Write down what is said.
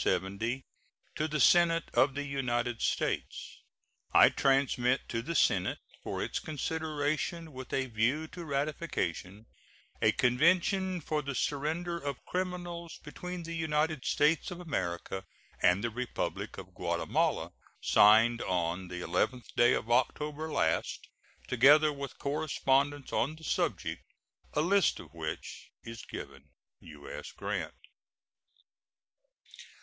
To the Senate of the United States: I transmit to the Senate, for its consideration with a view to ratification, a convention for the surrender of criminals between the United States of America and the Republic of Guatemala, signed on the 11th day of October last, together with correspondence on the subject, a list of which is given. U.S. GRANT.